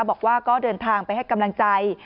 บอกว่าก็เดินทางไปให้กำลังใจ